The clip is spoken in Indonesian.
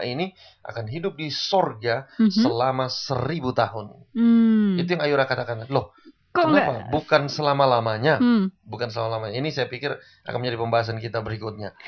ini saya pikir akan menjadi pembahasan kita berikutnya